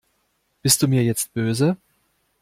Bist du mir jetzt böse?